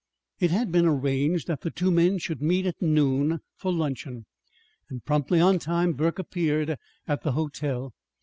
It had been arranged that the two men should meet at noon for luncheon; and promptly on time Burke appeared at the hotel.